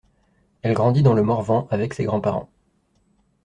Elle grandit dans le Morvan avec ses grands-parents.